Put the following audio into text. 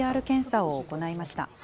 ＰＣＲ検査を行いました。